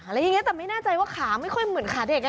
อะไรอย่างนี้แต่ไม่แน่ใจว่าขาไม่ค่อยเหมือนขาเด็ก